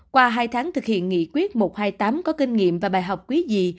qua hai tháng thực hiện nghị quyết một trăm hai mươi tám có kinh nghiệm và bài học quý gì